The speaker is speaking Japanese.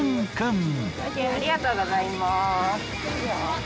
ありがとうございます。